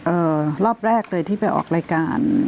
รอบแรกเลยที่ไปออกรายการ